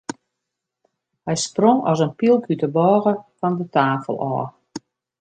Hy sprong as in pylk út de bôge fan de tafel ôf.